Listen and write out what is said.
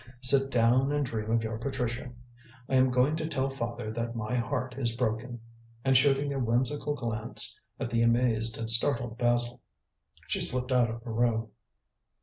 "Sit down and dream of your Patricia. I am going to tell father that my heart is broken." And shooting a whimsical glance at the amazed and startled Basil she slipped out of the room.